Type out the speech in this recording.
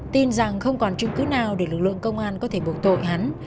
tin rằng không còn chứng cứ nào để lực lượng công an có thể buộc tội hắn